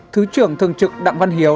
thứ trưởng thường trực đặng văn hiếu